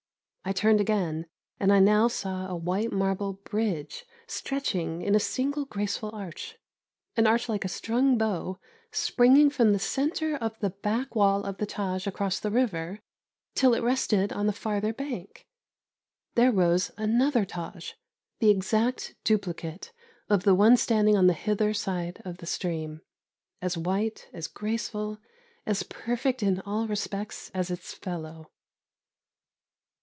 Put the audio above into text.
I turned again, and I now saw a white marble bridge stretching in a single graceful arch an arch like a strung bow springing from the centre of the back wall of the Tâj across the river, till it rested on the farther bank. There rose another Tâj! the exact duplicate of the one standing on the hither side of the stream, as white, as graceful, as perfect in all respects as its fellow.